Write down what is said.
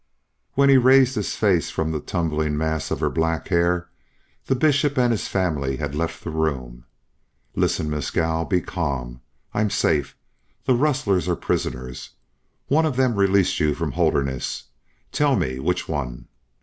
When he raised his face from the tumbling mass of her black hair, the Bishop and his family had left the room. "Listen, Mescal. Be calm. I'm safe. The rustlers are prisoners. One of them released you from Holderness. Tell me which one?"